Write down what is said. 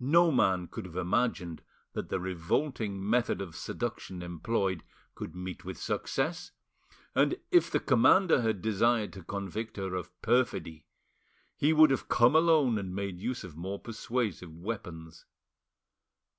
No man could have imagined that the revolting method of seduction employed could meet with success, and if the commander had desired to convict her of perfidy he would have come alone and made use of more persuasive weapons.